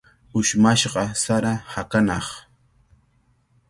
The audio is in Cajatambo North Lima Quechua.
Ushmashqa sara hakanaq.